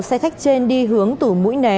xe khách trên đi hướng tử mũi né